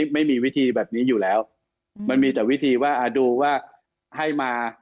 ไม่มีวิธีแบบนี้อยู่แล้วมันมีแต่วิธีว่าดูว่าให้มา